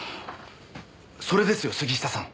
それですよ杉下さん。